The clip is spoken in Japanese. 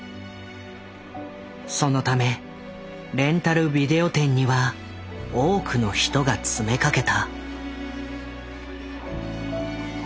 そのためレンタルビデオ店には多くの人が詰めかけた。